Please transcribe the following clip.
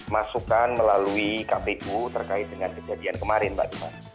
masukan melalui kpu terkait dengan kejadian kemarin mbak tiffan